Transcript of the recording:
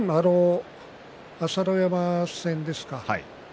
朝乃山戦ですか。